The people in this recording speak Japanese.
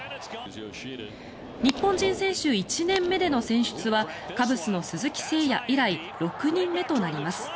日本人選手１年目での選出はカブスの鈴木誠也以来６人目となります。